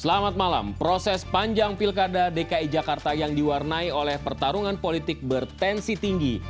selamat malam proses panjang pilkada dki jakarta yang diwarnai oleh pertarungan politik bertensi tinggi